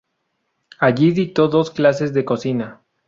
Allí dictó dos clases de cocina.